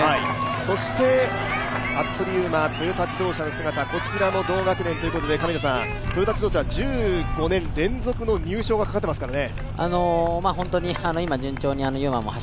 そして服部勇馬、トヨタ自動車の姿、こちらも同学年ということでトヨタ自動車は１５年連続の入賞がかかっていますからね。